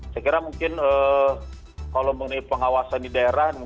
saya kira mungkin kalau mengenai pengawasan di daerah